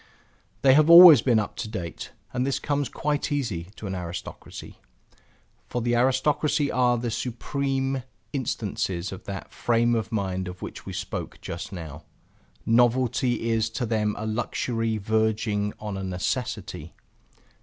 They have always been up to date, and this comes quite easy to an aristocracy. For the aristocracy are the supreme instances of that frame of mind of which we spoke just now. Novelty is to them a luxury verging on a necessity.